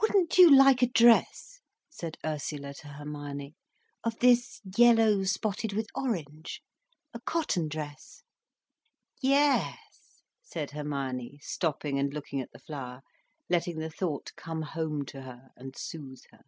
"Wouldn't you like a dress," said Ursula to Hermione, "of this yellow spotted with orange—a cotton dress?" "Yes," said Hermione, stopping and looking at the flower, letting the thought come home to her and soothe her.